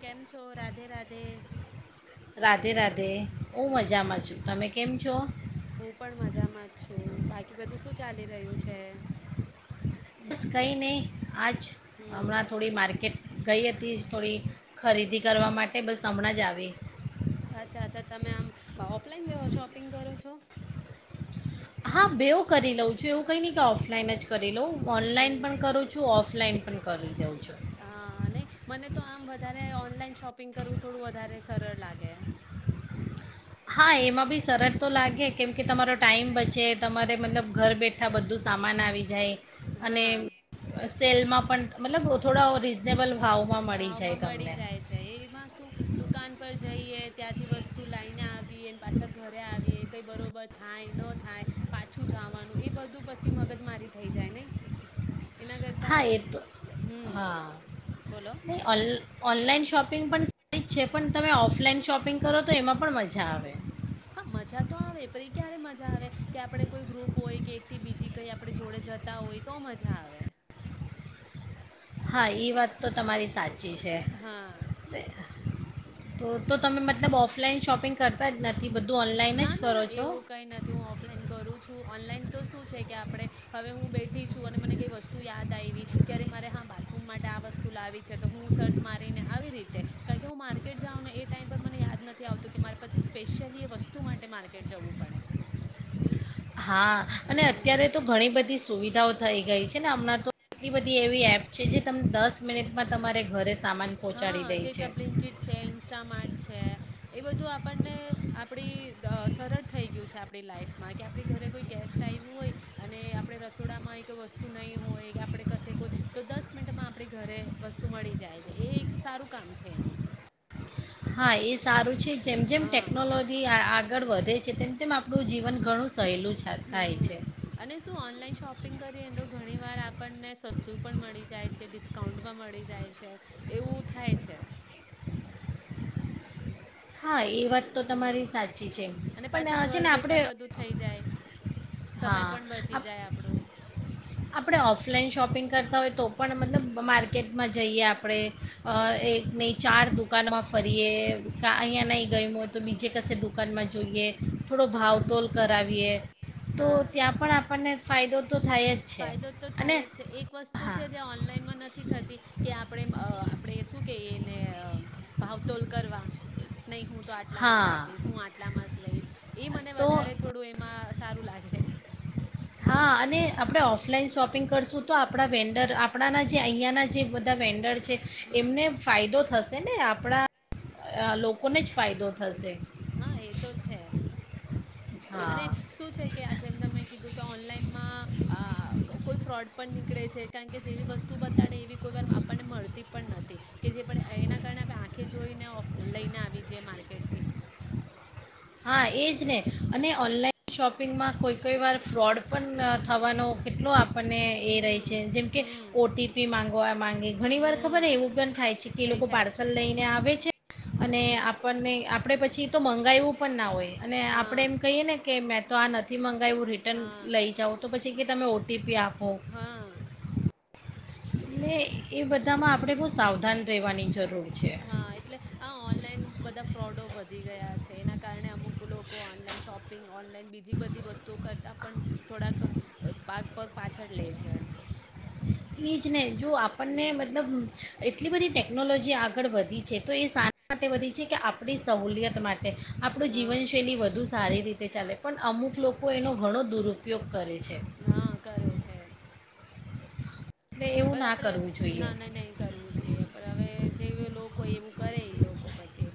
કેમ છો રાધે રાધે રાધે રાધે હું મજામાં હમ છું તમે કેમ છો હું પણ [inaudible] બાકી બધું શું ચાલી રહ્યું છે? બસ કઈ નહી. આજ હમ હમણાં થોડી માર્કેટ ગઈ હતી થોડી ખરીદી કરવા માટે, બસ હમણાં જ આવી. અચ્છા-અચ્છા. તમે આમ ઓફલાઈન જેવા શોપિંગ કરો છો? હા બેઉ કરી લઉં છું, એવું કઈ નહી કે ઓફલાઈન જ કરી લઉં. ઓનલાઈન હમ પણ કરું છું, ઓફ લાઈન પણ કરી દઉં. છું હા નહી મને તો આમ વધારે ઓનલાઈન શોપિંગ કરવું થોડું વધારે સરળ લાગે. હા એમાં બી સરળ તો લાગે, કેમ કે તમારો ટાઈમ બચે, તમારે મતલબ ઘર બેઠા બધું સામાન આવી જાય. અને હા અહ સેલમાં પણ મતલબ થોડા ઓ રીઝનેબલ ભાવમાં મળી જાય છે. એ એમાં શું દુકાન પર જઈએ ત્યાં વસ્તુ લાઈને આવ વીએ ને પાછા ઘરે આવીએ કઈ બરોબર થાય ન થાય, પાછું જાવાનું એ બધું પછી મગજ મારી થઈ જાય નઈ. એના કરતા, હા હમ્મ. ની ઓલ ઓનલાઇન શોપિં... શોપિંગ પણ સારી છે, પણ તમે ઓફલાઈન શોપિંગ કરો, તો એમાં પણ મઝાવે. હા મજા તો આવે પણ એ ક્યારે મજા આવે કે આપડે કોઈ ગ્રુપ હોય કે એક થી બીજી કઈ આપણે જોડે જતા હોય તો મઝા આવે. હા ઈ વાત તો તમારી સાચ ચી છે હા તે... તો તો તમે મતલબ ઓફલાઈન શોપિંગ કરતા જ નથી. બધું ઓનલાઈન ના જ ના કરો ના છો એવું કઈ નથી હું ઓફલાઈન કરું છું ઓનલાઈન... તો શું છે કે આપણે હવે હું બેઠી છું અને મને કઈ વસ્તુ યાદ આયવી કેરે મારે હા બાથરૂમ માટે આ વસ્તુ લાવી છે તો હું સર્ચ મારીને આવી રીતે, કારણ કે હું માર્કેટ જાઉ ને એ ટાઈમ પર મને યાદ નથી આવતું કે મારે પછી સ્પેશિયલી એ વસ તું માટે માર્કેટ જવું પડે. હા અને હમ અત્યારે તો ઘણી બધી સુવિધાઓ... થઈ ગઈ છે ને હમણાં તો એટલી બધી એવી એપ છે જે તમે દસ મિનિટમાં તમારે ઘરે... સામાન હા પહોંચાડી દે જે છે રીતના બ્લિંકીટ છે, ઇન્સ્ટામાર્ટ છે, એ બધું આ... આપણને આપણી દ સરળ થઈ ગયું છે આપણી લાઈફમાં કે આપણી ઘરે કોઈ ગેસ્ટ આયવું હોય અને આપણે રસોડામાં કોઈ વસ્તુ નહીં હોય કે આપણે કશે કોઈ તો દસ મિનિટમાં આપણી ઘરે વસ્તુ મળી જાય છે. એ એક સારું કામ છે એનું. હા એ સારું છે, જેમ જેમ હા ટેકનોલોજી આ આવ આગળ વધે છે તેમ તેમ આપણું જીવન ઘણું... સહેલું છા- થાય હમ છે અને શું ઓનલાઈન શોપિંગ કરીએ ને તો... ઘણી વાર આપણને સસ્તુ પણ મળી જાય છે, ડિસ્કાઉન્ટ પણ મળી જાય છે, એવું થાય છે. હા એ હાલ વાત તો હમ તમારી સાચી છે, અને પાછું પણ છે ઘર ને બેઠા આપણે... બધું થઈ જાય સમય હા પણ બચી આપ જાય આપણો આપણે ઓફલાઈન શોપિંગ કરતા હોય તો... તો પણ મતલબ માર્કેટમાં જઈએ આપણે અ એક નહીં ચાર દુકાનમાં ફરીએ ક અહીંયા નહીં ગયમું હોય તો બીજે કશે દુકાનમાં જોઈએ. થોડો હા ભાવતોલ કરાવીએ... તો હા ત્યાં પણ આપણને... ફાયદો... તો થાય જ છે ફાયદો તો અને થાય જ છે એક વસ્તુ હા છે જે ઓનલાઈનમાં નથી થતી કે આપણે આપણેે શું કેયે એને ભાવતોલ કરવા. નહી હું તો આટલામાં જ હા આપીશ, હું આટલામાં જ લઈશ, એ મને તો વધારે થોડું એમાં સારું લાગે હા અને આપણે ઓફલાઈન શોપિંગ કરશું તો આપણા વેન્ડર આપણાના જે અહીંયાના જે બધા વેન્ડર છે હમ એમને ફાયદો થશે ને આપ આપણા લોકોને જ ફાયદો થશે હ એ તો છે અને હા શું છે કે આ જેમ તમે કીધું કે ઓનલાઈનમાં કોઈ ફ્રોડ પણ નીકળે છે કારણ કે જેવી વસ્તુ બતાડે એવી કોઈવાર આપણને મળતી પણ નથી કે જે પણ એના કરતા આપણે આંખે જોઈને લઈને આવી જએ માર્કેટથી હા એજ ને અને હમ ઓનલાઈન શોપિંગમાં કોઈ કંઈ વાર ફ્રોડ પણ થવાનો કેટલો આપ આપણને એ રહે હમ છે જેમ કે હમ ઓટીપી માગો આ માંગે ઘણી વાર હમ ખબર એવું પણ થાય છે કે એ થઈ લોકો જાય છે પાર્સલ લઈને આવે છે અને હમ આપણને આપણે પછી તો મંગાવયુ ઉપણ ના હોય અને આપણે હા એમ કહીએ ને કે મે તો આ નથી મ એવું રિટર્ન હા લઈ જાવ તો પછી કે તમે ઓ તી પી આપો હા એ બધામાં આપણે બહુ સાવધાન રહેવાની જરૂર છે હા એટલે આ ઓનલાઈન બધા ફ્રોડો બધા વધી ગયા છે એના કારણે અમુક લોકો ઓનલાઈન શોપિંગ ઓનલાઈન બીજી બધી વસ્તુઓ કરતા પણ થોડાક પાગ પગ પાછળ લે છે એજ ને જો આપણને મતલબ હમ એટલી બધી ટેકનોલોજી આગળ વધી છે તો એ સાના માટે વધી છે કે આપણી સહુલિયત માટે આપણું હા જીવનશૈલી વધુ સારી રીતે ચાલે પણ અમુક લોકો એનો ઘણો દુરુપયોગ કરે છે હા કરે છે એટલે બ એવું ના આપણેે કરવું જોઈએ ના ના નહી કરવું જોઈએ પણ હવે જે લોકો એવું કરે લોકો પછી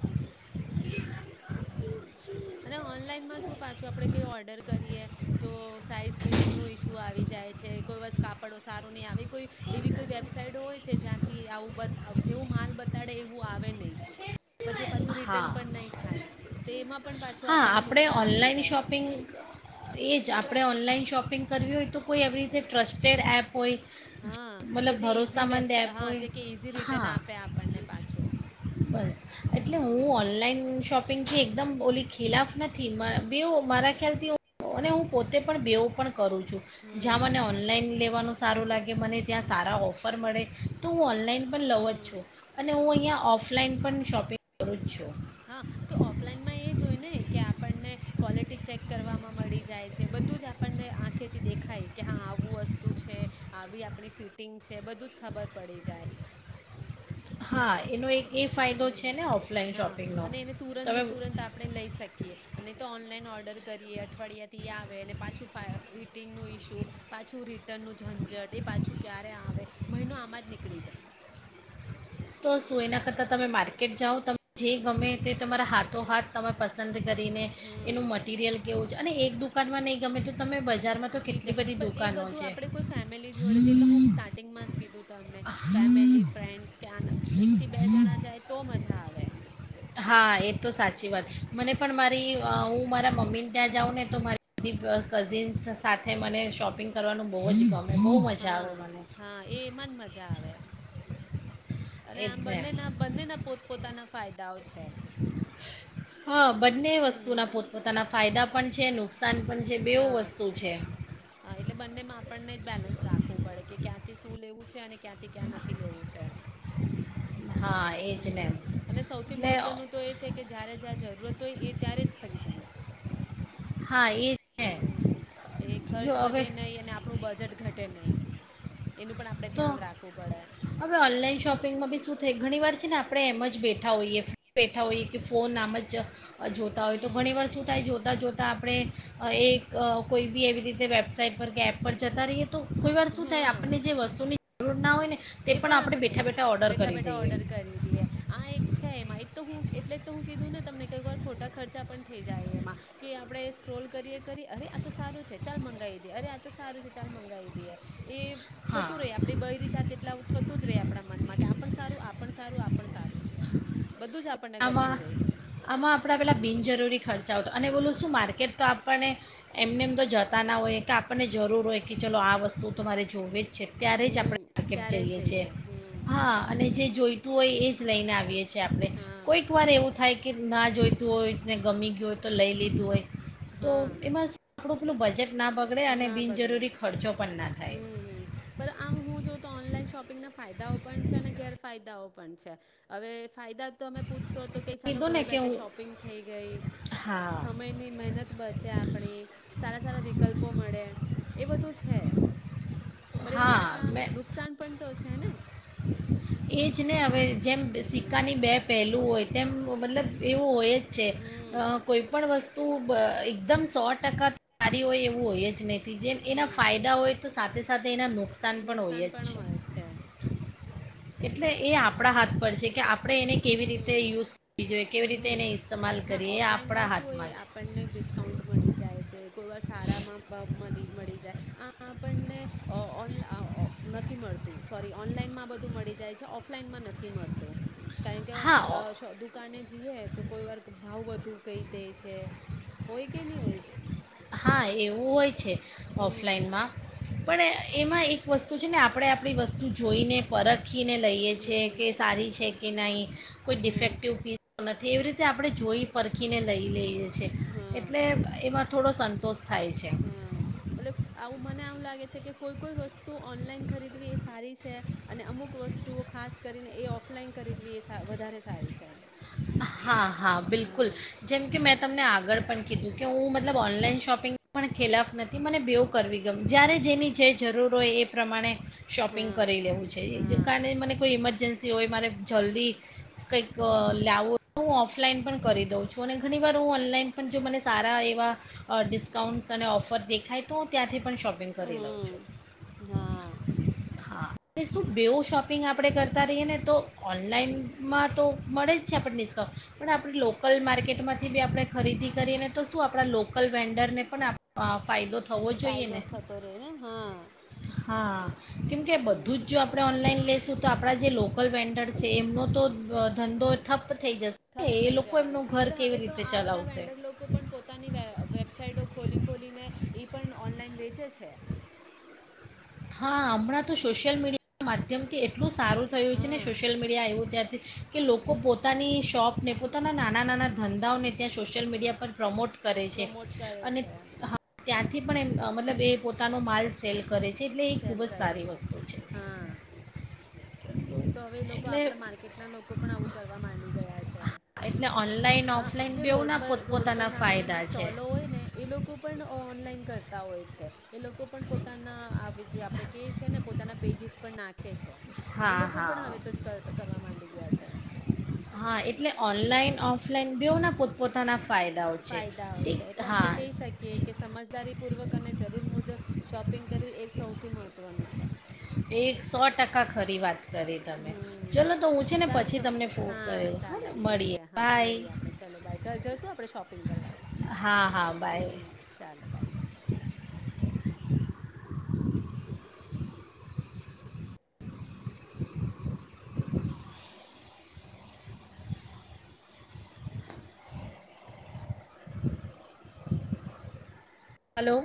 હ અને ઓનલાઈનમાં શું પાછું આપડે કઈ ઓર્ડર કરીએ તો સાઈઝ ફિટિંગ નુ ઈસ્યુ આવી જાય છે કોઈવાર કાપડ સારો નહી આવે કોઈ એવી કોઈ વેબસાઇટ હોય છે જ્યાંથી આવું જેવું માલ બતાડે એવું આવે નય પછી એ પાછું હા રિટર્ન પણ નહીં થાય તો એમાં પણ પાછું હા આપણને આપણે નુકસાન થઈ ઓનલાઈન જાય શોપિંગ એ જ આપણે ઓનલા ન શોપિંગ કરવી હોય તો કોઈ એવી રીતે ટ્રસ્ટેડ એપ હોય હા, કે મતલબ જે ઈઝી વેબ ભરોસામંદ એપ હા હોય જે ઈઝી રિટર્ન હા આપે આપણને પાછું. બસ એટલે હું હમ ઓનલાઈન શોપિંગથી એકદમ ઓલી ખિલાફ નથી બે મારા ખ્યાલથી હું પોતે પણ બેવ પણ કરું છું હમ જ્યાં મને ઓનલાઈન લેવાનું સારું લાગે મને ત્યાં સારા ઓફર મળે તો હું ઓન લાઈન પણ લઉ જ હમ છું અને હું અહીંયા ઓફ ઓફલાઈન પણ શોપિંગ કરું જ છું. હા, તો ઓફલાઈનમાં એ જોય ને કે આપણને ક્વોલિટી ચેક કરવામાં મળી જાય છે બધું જ આપણને આંખેથી દેખાય કે હા આવું વસ્તુ છે આવી આપણી ફિટિંગ છે બધું જ ખબર પડી જાય. હા, એનો એક એ ફાયદો હમ, છે ને ઓફલાઈન હા શોપિંગનો અને એને તુરંત ને તમે તુરંત આપણે લઈ શકીએ અને તો ઓન ને ઓર્ડર કરીએ અઠવાડિયા થીયા કે પાછું ફિટિંગનું ઈસ્યુ પાછું રિટર્નનું ઝંઝટ એ પાછું ક્યારે આવે મહિનો આમાં જ નીકળી જાય. તો શુ એના કરતાં તમે માર્કેટ જાઓ તમે જે ગમે તે તમારા હાથો હાથ તમે પસંદ કરીને હમ એનું મટરિયલ કેવું અને એક દુકાનમાં નહી ગમે તો તમે બ બીજા, પણ એ બધું આપણેે કોઈ ફેમિલી જોડે જે તો હું સ્ટાર્ટિંગમાં જ કીધું તમને ફેમિલી ફ્રેન્ડ્સ કે આ એકથી બે જણા જાય તો મજા આવે [inaudible] હા, એ તો સાચી વાત મને પણ મારી હું મારા મમ્મી ત્યાં જાઉં ને તો મારી બધી કઝિન્સ સાથે મને શોપિંગ કરવાનું બહું જ ગમે. બહુ મજા આવે હા, મને હા એમાં જ મજા આવે. અને એ જ આમ ને બંને બંનેના પોત પોતાના ફાયદાઓ છે. હા બંને વસ્તુના હમ પોતપોતાના ફાયદા પણ છે, નુકસાન નુકસાન પણ છે બેવ હા વસ્તુ છે. હા એટલે બંનેમાં આપણને બેલેન્સ રાખવું પડે કે ક્યાંથી શું લેવું છે, અને ક્યાંથી ક્યાં નથી લેવું છે. હા એ જ હમ, ને અને સૌથી એટલે મહત્વનું તો એ છે, કે જયારે જ્યાં જરૂરત હોય એ ત્યારે જ ખરીદવું. હા એજ છે. હમ એ ખર્ચ વધે નહીં અને આપણું બજટ ઘટે તે નહીં. એનું પણ આપડે તો ધ્યાન રાખવું પડે. હવે ઓનલાઈન શોપિંગમાં બી શું થાય ઘણી વાર છે, ને આપણે એમ જ બેઠા હોઈએ બેઠા હોઈએ કે ફોન આમ જ જોતા હોય તો ઘણી વાર હમ શું થાય જોતા જોતા આપણે એક કોઈ બી એવી રીતે વેબસાાઈટ પર કે એપ પર જતા રહીએ તો કોઈ વાર શું થાય હા આપણને જે વસ્તુની જરૂર ના હોયને એ પણ આપણે બેઠા બેઠા ઓર્ડર કરી દઈએ. આ એક છે. એમાં એ તો હું એટલે તો હું કીધું ને તમને કોઈ વાર ખોટા ખર્ચા પણ થઈ જાય એમાં કે આપણે સ્ક્રોલ કરીએ કરી. અરે આ તો સારું છે! ચાલ મંગાવી દઈએ, અરે આ તો સારું છે! ચાલ મંગાવી દઈએ. એ હા થતું રહે આપડી બહરી જાતે થતું થતું રહે આપના મનમાં કે આપન સારું, આપન સારું, આપન સારું બધું જ આપણને આમાં ગમતું રહે આપણાં પેલા બિનજરૂરી ખર્ચાઓ અને ઓલું શું માર્કેટ તો આપણને એમને એમ તો જતા ના હોય કે આપણને જરૂર હોય કે ચલો આ વસ્તુ તમારે જોવી જ છે ત્યારે જ આપણે હમ માકેટ ત્યારે જ જઈએ છે હમ હા અને જે જોઈતું હોય એ જ લઈને આવીએ છે, આપણે. કોઈક હા વાર એવું થાય કે ના જોઈતું હોયને, ગમી ગયું હોય, તો લઈ લીધું હોય તો હા એમાં થોડુંક પેલું બજેટ ના બગડે અને ના બગડે, બિનજરૂરી ખર્ચો પણ ના થાય હમ્મ હમ્મ આમ હું જોઉ તો ઓનલાઈન શોપિં ઇંગ ના ફાયદાઓ પણ છે, ગેરફાયદાઓ પણ છે, હવે ફાયદા તમે પૂછ શો તો ક ચાલો કીધું ઘર ને કે બેઠે હું શોપિંગ થઈ ગઈ, હા સમયની મહેનત બચે આપણી, સારા સારા મળે એ એ બધું છે. પર એમાં હા પાછા મેં નુકસાન પણ તો છે ને! એ જ ને હવે જેમ હમ સિક્કાની બે પહેલું હોય. તેમ મતલબ એવું હોય જ છે, હમ કોઈ પણ વસ્તુ તું એકદમ સો ટકા સારી હોય એવું હોય જ નહ જેમ એના હમ ફાયદા હોય. તો સાથે સાથે એના નુ નુકસાન પણ હોય છે. એટલે એ આપણા હાથ પર છે કે આપ હમ્મ રીતે હમ્મ એને ઇસ્તેમાલ હા કરીએ એ આપણા ઓફલાઈનમાં શું હોય હાથમાં છે આપણને ડિસ્કાઉન્ટ મળી જાય છે કોઈ વસ્તુ સારામાં બ મળી મળી [inaudible] નથી મળતું સોરી ઓનલાઈનમાં બધું મળી જાય છે ઓફલાઈનમાં નથી મળતું કારણ કે અ હા દુખ દુકાને જીએ તો કોઈ વાર ભાવ વધુ કઈ દે છે હોય કે નહી હોય. હા એવું હોય છે. હમ ઓફલાઈનમાં પણ એમાં એક વસ્તુ છે ને આપણે આપણી વસ્તુ જોઈને પરત. આખીને લઈએ છીએ હમ કે સારી છે. એના કોઈ ડિફેક્ટિવ હમ પીસ પન નથી. તેવી રીતે આપણે જોઈ પરખીને લઈ લઈએ. હા એટલે એમાં થોડો સંતોષ. થાય છે હા મતલબ. આવું મને આમ લાગે છે કે કોઈ કોઈ વસ્તુ ઓનલાઈન ખરીદવી એ સારી છે, અને અમુક વસ્તુઓ ખાસ કરીને એ ઓફલાઈન ખરીદવી એ વધારે સારી છે. હા હા બિલકુલ હા જેમ કે મેં તમને આગળ પણ. કીધું કે હું મતલબ ઓનલાઈન શોપિંગ પણ ખેલાફ નથી મને બવું કરવી ગમ જ્યારે જેની જે જરૂર હોય એ પ્રમાણે. શોપિંગ હા કરી લેવું છે હા કાર મને કોઈ એજન્સી હોય મારે જલ્દી કંઈક. લાવું હું ઓફલાઈન પણ કરી દઉં છું, અને ઘણીવાર હું ઓનલાઈન પણ જો મને સારા એવા ડિસ્કાઉન્ટ્સ અને ઓફર દેખાય તો ત્યાંથી પણ શોપિંગ કરી લઉં છું. હમ હા હા અને શું બેવ શોપિંગ આપણે કરતા રહીએ ને તો ઓનલાઈનમાં તો મળે જ. છે, આપણ ડિસ્કાઉન્ટ પણ આપણે લોકલ માર્કેટમાંથી બી આપણે ખરીદી કરીને તો શું આપણા લોકલ વેન્ડરને પણ ફાયદો થ ફાયદો થતો રહેે ને હા. હા. કેમ કે હમ બધું જ જો આપડે ઓનલાઈન લે શું તો આપણા જે લોકલ વેન્ડર છે એમનો તો ધંધો. ઠપ. થઈ થપ જશે એ થઈ લોકો જવાનો એમનું ઘર હવે કેવી તો રીતે આ બધા ચલાવશે વેન્ડર લોકો પણ પોતાની વેબસાઈટ ખોલી ખોલીને. એ પણ ઓનલાઈન વેચે છે. હા હમણાં તો સોશિયલ મીડિયા ના માધ્યમથી એટલું. સારું થયું છે ને હા સોશિયલ મીડિયા એવું ત્યાં. કે લોકો પોતાની શોપને, પોતાના નાના નાના ધંધાઓને ત્યાં સોશિયલ મીડિયા પર. પ્રમોટ કરે છે, પ્રમોટ કરે અને છે હા ત્યાંથી પણ એમ મતલબ એ પોતાનો માલ સેલ કરે. છે એટલે એ ખૂબ સેલ જ કરે સારી છે, વસ્તુ હા એતો હવે એ લોકો એટલે આપણાં માર્કેટ ના લોકો પણ આવું કરવા માંડી ગયા છે. એટલે ઓનલાઈન હા ઓફલાઈન જે રોડ બેઉના પર રોડ પર પોતપોતાના નાના નાના ફાયદા છે. સ્ટોલો હોય ને એ લોકો કરતા હોય છે, એ લોકો પોતાના આ જે આપણે કેઈ છી ને પોતાના પેજીસ પર નાખે છે. એ હા લોકો પણ હવે તો હા જ કરવા માંડી ગયા છે. ઓફલાઇન બેવના પોતપોતાના. ફાયદાઓ છે ફાયદાઓ છે ઠીક એટલે આપડે હા કહી શકીએ કે સમજદારી પૂર્વક અને જરૂર મુજબ શોપિંગ કરવી એ સૌથી મહત્વનું છે. એક સો ટકા ખરી વાત. કરી તમે હમ ચલો તો હું છે ને ચાલો પછી તો તમને ફોન હા કર્યો હા ચાલો ને ઠીક મળીએ છે, હા બાય મળીએ આપણે ચાલો બાય જઈશું આપણે શોપિંગ કરવા હા હા બાય હમ્મ ચાલો ‌ બાય. હલો.